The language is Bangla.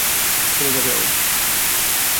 চলে যাবে ও।